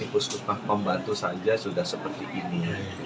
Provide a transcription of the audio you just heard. khusus mas pembantu saja sudah seperti ini